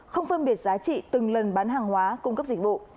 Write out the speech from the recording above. không phân biệt giá trị từng lần bán hàng hóa cung cấp dịch vụ